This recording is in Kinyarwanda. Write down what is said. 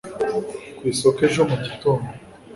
ku isoko ejo mu gitondo